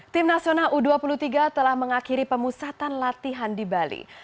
tim nasional u dua puluh tiga telah mengakhiri pemusatan latihan di bali